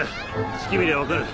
指揮見りゃ分かる。